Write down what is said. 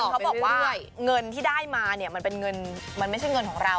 คือบางคนเขาบอกว่าเงินที่ได้มามันไม่ใช่เงินของเรา